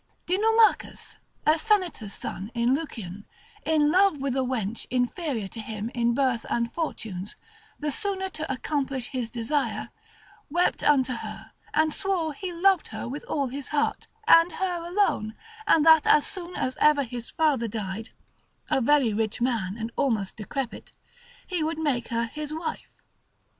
Dinomachus, a senator's son in Lucian, in love with a wench inferior to him in birth and fortunes, the sooner to accomplish his desire, wept unto her, and swore he loved her with all his heart, and her alone, and that as soon as ever his father died (a very rich man and almost decrepit) he would make her his wife.